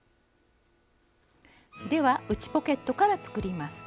では内ポケットから作ります。